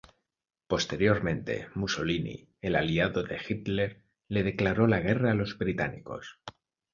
Posteriormente, Mussolini, el aliado de Hitler, le declaró la guerra a los británicos.